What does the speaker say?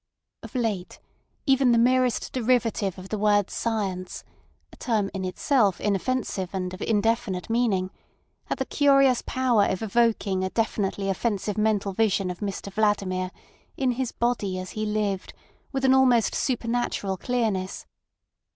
Of late even the merest derivative of the word science (a term in itself inoffensive and of indefinite meaning) had the curious power of evoking a definitely offensive mental vision of Mr Vladimir, in his body as he lived, with an almost supernatural clearness.